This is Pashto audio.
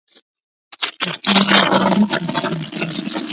خوښي مو ده نه سرچینه اخلي